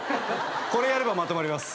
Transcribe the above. これやればまとまります。